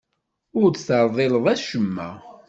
Ur d-terḍileḍ acemma.